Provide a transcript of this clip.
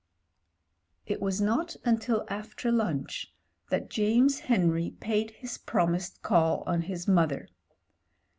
••••• It was not until after lunch that James Henry paid his promised call on his mother.